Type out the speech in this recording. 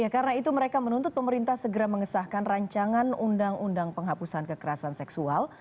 karena itu mereka menuntut pemerintah segera mengesahkan rancangan undang undang penghapusan kekerasan seksual